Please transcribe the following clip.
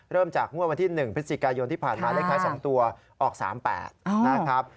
จากงวดวันที่๑พฤศจิกายนที่ผ่านมาเลขท้าย๒ตัวออก๓๘นะครับ